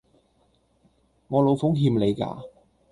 我老奉欠你架？